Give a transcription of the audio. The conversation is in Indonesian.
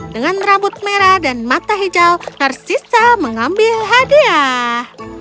dengan rambut merah dan mata hijau narsissa mengambil hadiah